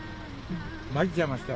まいっちゃいましたよ。